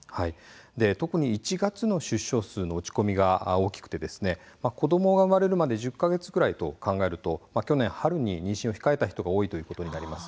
特に１月の出生数の落ち込みが大きくて子どもが生まれるまで１０か月くらいと考えると去年春に妊娠を控えた人が多かったと見られます。